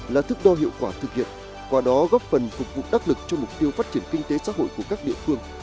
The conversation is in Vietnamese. là thức đo hiệu quả thực hiện qua đó góp phần phục vụ đắc lực cho mục tiêu phát triển kinh tế xã hội của các địa phương